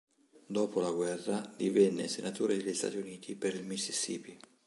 Dopo la guerra divenne Senatore degli Stati Uniti per il Mississippi.